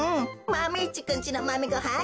マメ１くんちのマメごはん